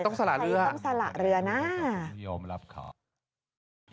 ใครต้องสละเรือไม่ยอมรับขอใครต้องสละเรือไม่ยอมรับขอ